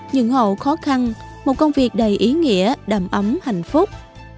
những hậu khó khăn một công việc đầy ý nghĩa đầm ấm hạnh phúc